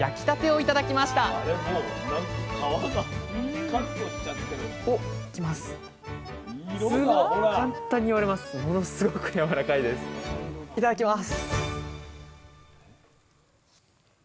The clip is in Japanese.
いただきます！